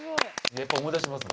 やっぱり思い出しますね。